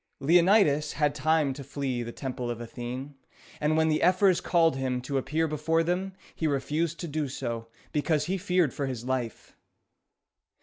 Leonidas had time to flee to the Temple of Athene; and when the ephors called him to appear before them, he refused to do so, because he feared for his life.